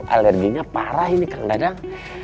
alerginya parah ini kang dadang